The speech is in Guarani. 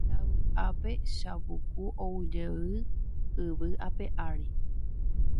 Tuicha vy'ápe Chavuku oujey yvy ape ári